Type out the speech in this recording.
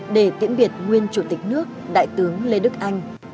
để tiễn biệt nguyên chủ tịch nước đại tướng lê đức anh